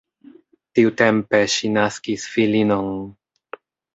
Tiutempe ŝi naskis filinon.